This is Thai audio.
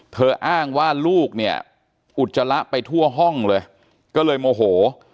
อ้างว่าลูกเนี่ยอุจจาระไปทั่วห้องเลยก็เลยโมโห